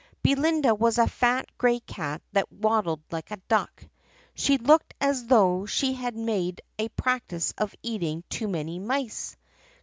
Be linda was a fat gray cat that waddled like a duck. She looked as though she had made a practice of eating too many mice.